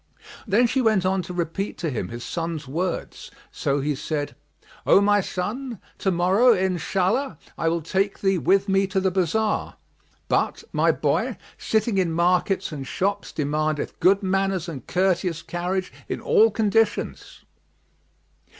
Then she went on to repeat to him his son's words; so he said, "O my son, to morrow, Inshallah! I will take thee with me to the bazar; but, my boy, sitting in markets and shops demandeth good manners and courteous carriage in all conditions."